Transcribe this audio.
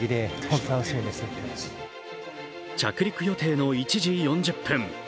着陸予定の１時４０分